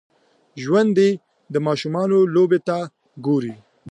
ژوندي د ماشومانو لوبو ته ګوري